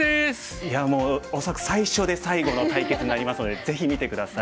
いやもう恐らく最初で最後の対決になりますのでぜひ見て下さい。